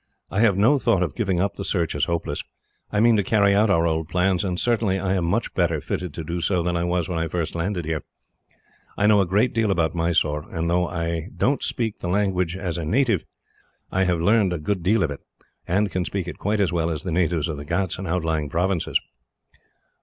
I have no thought of giving up the search as hopeless. I mean to carry out our old plans; and certainly I am much better fitted to do so than I was when I first landed here. I know a great deal about Mysore, and although I don't say I speak the dialect like a native, I have learnt a good deal of it, and can speak it quite as well as the natives of the ghauts and outlying provinces.